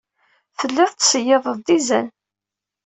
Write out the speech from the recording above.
Telliḍ tettṣeyyideḍ-d izan.